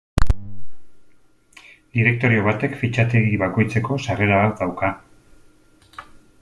Direktorio batek fitxategi bakoitzeko sarrera bat dauka.